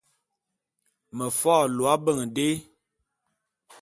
Me fo’o lo ábeñ dé.